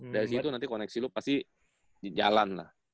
dari situ nanti koneksi lo pasti jalan lah